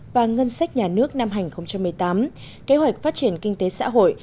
và ngân sách nhà nước năm hành một mươi tám kế hoạch phát triển kinh tế xã hội